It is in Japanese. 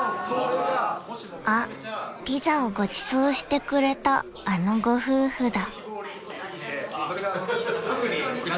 ［あっピザをごちそうしてくれたあのご夫婦だ］